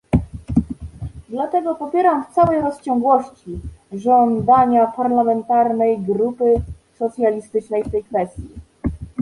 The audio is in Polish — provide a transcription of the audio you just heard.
Dlatego popieram w całej rozciągłości żądania parlamentarnej Grupy Socjalistycznej w tej kwestii